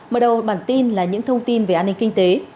mở đầu bản tin là những thông tin về an ninh kinh tế